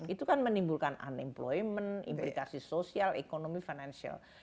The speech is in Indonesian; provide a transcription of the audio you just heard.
itu kan menimbulkan unemployment implikasi sosial ekonomi financial